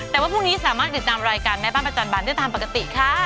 แต่ว่าพรุ่งนี้สามารถติดตามรายการแม่บ้านประจำบานได้ตามปกติค่ะ